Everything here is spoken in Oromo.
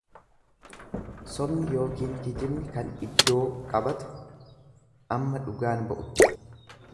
Sobni ykn kijibni kan iddoo qabatu amma dhugaan ba'utti.